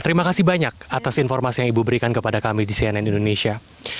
terima kasih banyak atas informasi yang ibu berikan kepada kami di cnn indonesia